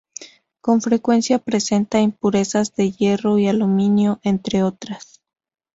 Con frecuencia presenta impurezas de hierro y aluminio, entre otras.